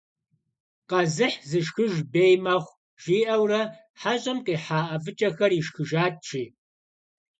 «Къэзыхь зышхыж бей мэхъу» жиӏэурэ, хьэщӏэм къихьа ӏэфӏыкӏэхэр ишхыжат, жи.